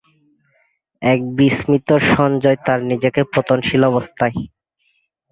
এক বিস্মিত সঞ্জয় তার নিজেকে পতনশীল অবস্থায়।